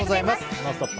「ノンストップ！」